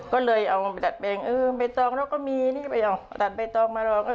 ก็เลยเอามาดัดแปลงเออใบตองเราก็มีนี่ไปเอาตัดใบตองมารอก็